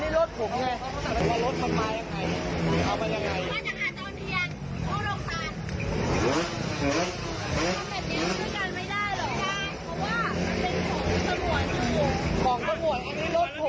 มันอาจจะเอาเนียนเพื่อกันไม่ได้หรอ